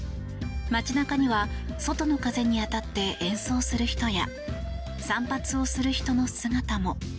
街中には外の風に当たって演奏する人や散髪をする人の姿も。